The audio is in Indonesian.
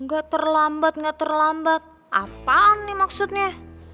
gak terlambat gak terlambat apaan nih maksudnya